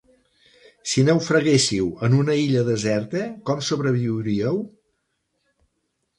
Si naufraguéssiu en una illa deserta, com sobreviuríeu?